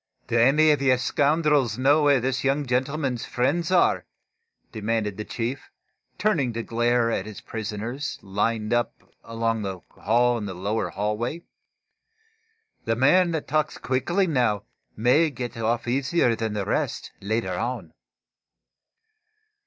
"Do any of you scoundrels know where this young gentleman's friends are?" demanded the chief, turning to glare at his prisoners, lined up along the wall in the lower hallway. "The man that talks quickly now may get off easier than the rest, later on."